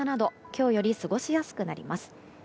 今日より過ごしやすくなります。